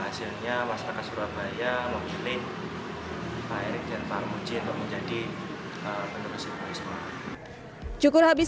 hasilnya masyarakat surabaya memilih pak erick dan farmoji untuk menjadi penerusnya cukur habis